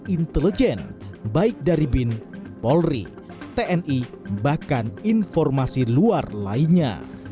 intelijen baik dari bin polri tni bahkan informasi luar lainnya